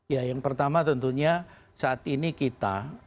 ya yang pertama tentunya saat ini kita